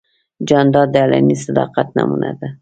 جانداد د علني صداقت نمونه ده.